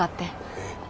えっ？